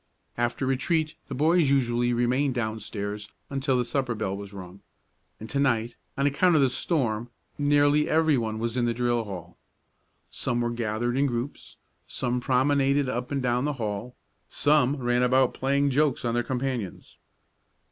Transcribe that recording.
After retreat the boys usually remained downstairs until the supper bell was rung; and to night, on account of the storm, nearly every one was in the drill hall. Some were gathered in groups, some promenaded up and down the hall, some ran about playing jokes on their companions.